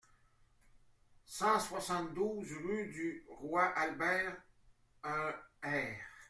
cent soixante-douze rue du Roi Albert un er